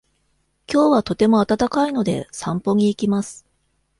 きょうはとても暖かいので、散歩に行きます。